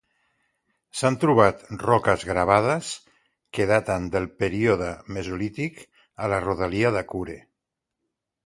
S'han trobat roques gravades que daten del període Mesolític a la rodalia d'Akure.